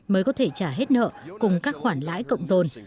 mới có thể trả hết nợ cùng các khoản lãi cộng dồn